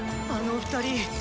あの２人。